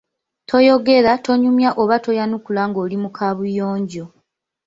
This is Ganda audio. Toyogera, tonyumya oba toyanukula ng’oli mu Kaabuyonjo.